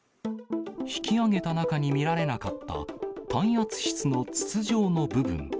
引き揚げた中に見られなかった、耐圧室の筒状の部分。